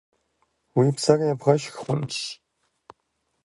Уи псэр ебгъэшх хъунщ.